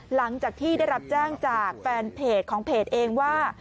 หลังจากที่ได้รับแจ้งจากแฟนเพจของเพจเองว่า